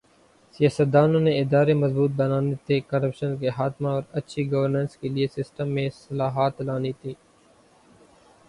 سیاستدانوں نے ادارے مضبوط بنانے تھے، کرپشن کے خاتمہ اور اچھی گورننس کے لئے سسٹم میں اصلاحات لانی تھی۔